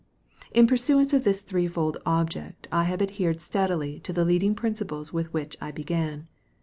In pursuance of this three fold object, I have adhered steadily to the leading principles with which I began.